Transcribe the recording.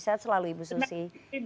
saya selalu ibu susi